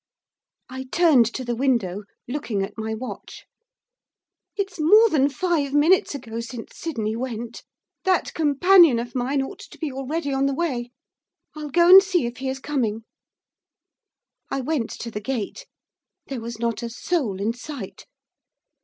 I turned to the window, looking at my watch. 'It's more than five minutes ago since Sydney went. That companion of mine ought to be already on the way. I'll go and see if he is coming.' I went to the gate. There was not a soul in sight.